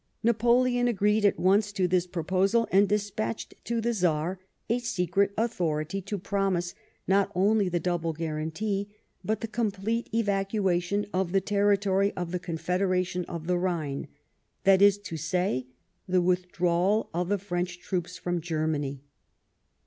Napoleon agreed at once to this proposal, and despatched to the Czar a secret 44 LIFE OF PRINCE METTERNICE. authority to promise, not only the double guarantee, but the complete evacuation of the territory of the Confedera tion of the Rhine, that is to say, the withdrawal of the French troops from Germany.